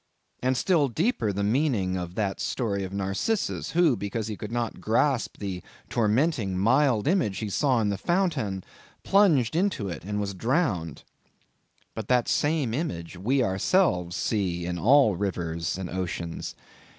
And still deeper the meaning of that story of Narcissus, who because he could not grasp the tormenting, mild image he saw in the fountain, plunged into it and was drowned. But that same image, we ourselves see in all rivers and oceans.